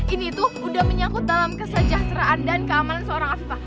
ini tuh udah menyangkut dalam kesejahteraan dan keamanan seorang afifah